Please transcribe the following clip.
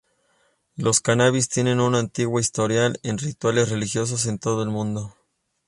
Los cannabis tienen un antiguo historial en rituales religiosos en todo el mundo.